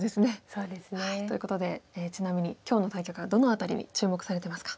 そうですね。ということでちなみに今日の対局はどの辺りに注目されてますか？